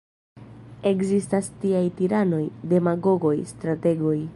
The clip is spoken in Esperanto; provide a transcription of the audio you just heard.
Ekzistas tiaj tiranoj, demagogoj, strategoj.